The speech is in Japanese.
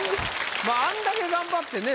あんだけ頑張ってね